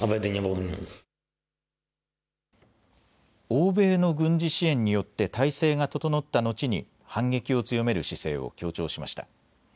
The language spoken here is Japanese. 欧米の軍事支援によって態勢が整った後に反撃を強める姿勢を強調しました。